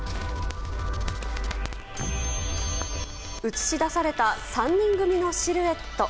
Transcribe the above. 映し出された３人組のシルエット。